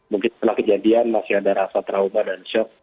mungkin setelah kejadian masih ada rasa trauma dan shock